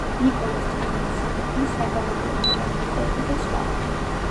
ნიკოლოზ თბილელს ეკუთვნის საგალობლები, იამბიკოები და სხვა.